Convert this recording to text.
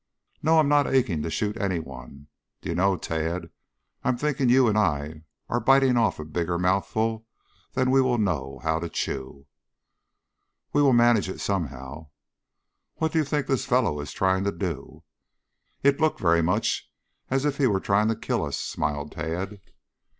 "No, I'm not aching to shoot any one. Do you know, Tad, I'm thinking you and I are biting off a bigger mouthful than we will know how to chew?" "We will manage it somehow." "What do you think this fellow is trying to do?" "It looked very much as if he were trying to kill us," smiled Tad.